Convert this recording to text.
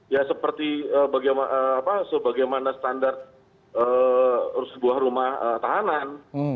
ya seperti sebagaimana standar sebuah rumah tahanan